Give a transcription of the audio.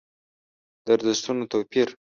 د ارزښتونو توپير.